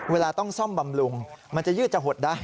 เวลาต้องซ่อมบำรุงมันจะยืดจะหดได้